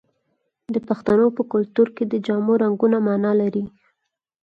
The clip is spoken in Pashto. د پښتنو په کلتور کې د جامو رنګونه مانا لري.